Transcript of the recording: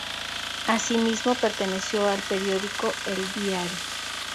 Asimismo, perteneció al periódico El Diario.